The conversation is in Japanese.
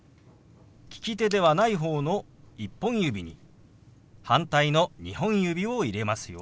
利き手ではない方の１本指に反対の２本指を入れますよ。